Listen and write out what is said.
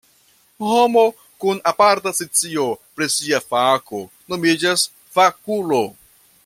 Homo kun aparta scio pri sia fako nomiĝas fakulo.